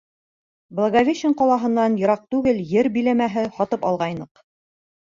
Благовещен ҡалаһынан йыраҡ түгел ер биләмәһе һатып алғайныҡ.